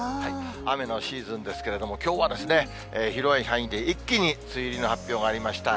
雨のシーズンですけれども、きょうは広い範囲で一気に梅雨入りの発表がありました。